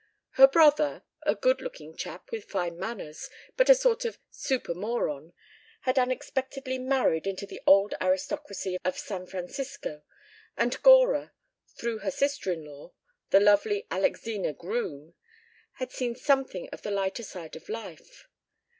Her brother, a good looking chap with fine manners, but a sort of super moron, had unexpectedly married into the old aristocracy of San Francisco, and Gora, through her sister in law, the lovely Alexina Groome, had seen something of the lighter side of life.